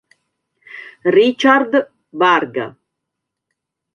Richard Varga